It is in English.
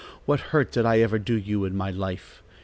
What hurt did I ever do you in my life?